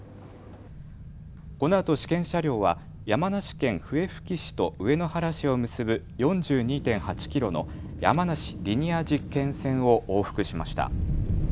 このあと試験車両は山梨県笛吹市と上野原市を結ぶ４２．８キロの山梨リニア実験線を往復しました。